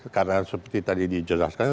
karena seperti tadi dijelaskan